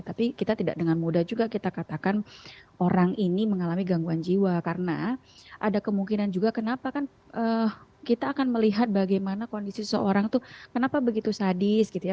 tapi kita tidak dengan mudah juga kita katakan orang ini mengalami gangguan jiwa karena ada kemungkinan juga kenapa kan kita akan melihat bagaimana kondisi seseorang itu kenapa begitu sadis gitu ya